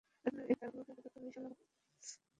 আপনার এই দাঁড়াগুলোকে আপাতত আমিই সামলাবো।